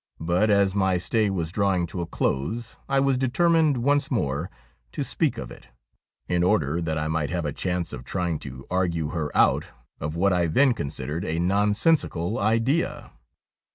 But, as my stay was drawing to a close, I was determined once more to speak of it, in order that I might have a chance of trying to argue her out of what I then considered a nonsensi cal idea.